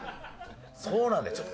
そうなんだよ。